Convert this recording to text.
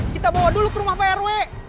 kita bawa dulu ke rumah pak rw